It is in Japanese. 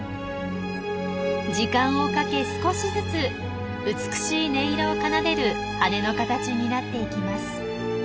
時間をかけ少しずつ美しい音色を奏でる翅の形になっていきます。